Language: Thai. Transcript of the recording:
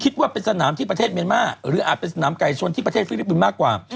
คิดว่าเป็นสนามที่ประเทศเมียนมาหรืออาจเป็นสนามไก่ชนที่ประเทศฟิลิปปินส์มากกว่า